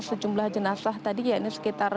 sejumlah jenazah tadi ya ini sekitar